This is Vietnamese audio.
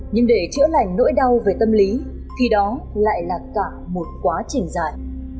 nhưng để chữa lành nỗi đau về tâm lý thì đó lại là cả một quá trình dài